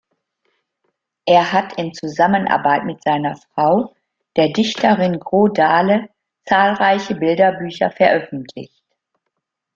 Er hat in Zusammenarbeit mit seiner Frau, der Dichterin Gro Dahle, zahlreiche Bilderbücher veröffentlicht.